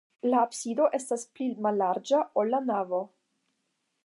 La absido estas pli mallarĝa, ol la navo.